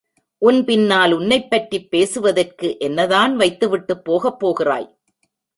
உன் பின்னால் உன்னைப்பற்றிப் பேசுவதற்கு என்னதான் வைத்துவிட்டுப் போகப் போகிறாய்?